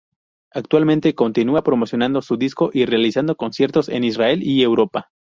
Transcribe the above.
Actualmente continúa promocionando su disco y realizando conciertos en Israel y Europa.